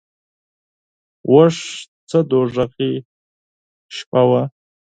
اخ څه دوږخي شپه وه .